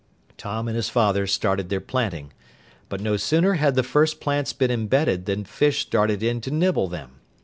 Tom and his father started their planting. But no sooner had the first plants been embedded than fish darted in to nibble them.